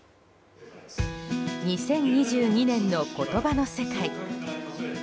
２０２２年の言葉の世界。